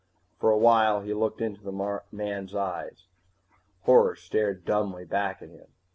For a while he looked into the man's eyes. Horror stared dumbly back at him.